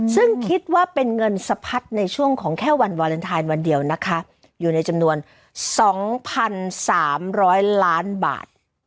ซึ่งคิดว่าเป็นเงินสะพัดในช่วงของแค่วันวาเลนไทยวันเดียวนะคะอยู่ในจำนวน๒๓๐๐ล้านบาท